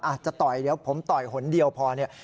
จะต่อยเดี๋ยวผมต่อยหนเดียวพอเนี่ย